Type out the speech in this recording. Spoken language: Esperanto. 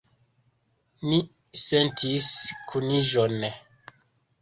Ni sentis kuniĝon.